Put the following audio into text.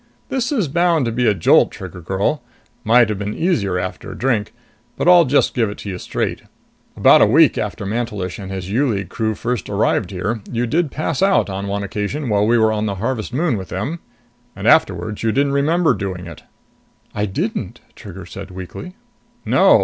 This is bound to be a jolt, Trigger girl. Might have been easier after a drink. But I'll just give it to you straight. About a week after Mantelish and his U League crew first arrived here, you did pass out on one occasion while we were on the Harvest Moon with them. And afterwards you didn't remember doing it." "I didn't?" Trigger said weakly. "No.